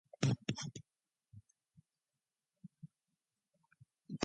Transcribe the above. Roosevelt also changed the appearance of the surrounding land by extensive planting of trees.